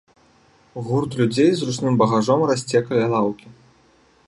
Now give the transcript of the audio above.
Гурт людзей з ручным багажом расце каля лаўкі.